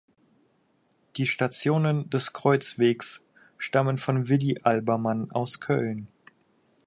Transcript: Die Stationen des Kreuzwegs stammen von Willy Albermann aus Köln.